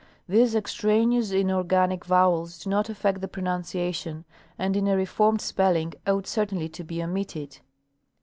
These extraneous, inorganic vowels do not affect the pronunciation, and in a reformed spelling ought cer tainly to be omitted.